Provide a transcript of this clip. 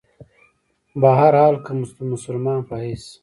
بهرحال کۀ د مسلمان پۀ حېث